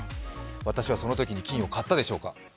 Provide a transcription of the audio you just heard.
私はそのときに金を買ったでしょうか？